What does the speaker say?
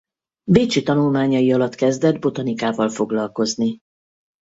Bécsi tanulmányai alatt kezdett botanikával foglalkozni.